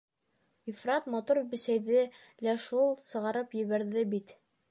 Ифрат матур бесәйҙе лә шул сығарып ебәрҙе бит...